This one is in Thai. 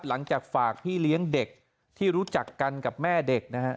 หลังจากฝากพี่เลี้ยงเด็กที่รู้จักกันกับแม่เด็กนะฮะ